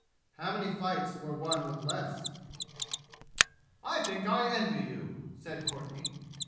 How many fights were won with less? "I think I envy you!" said Courtenay.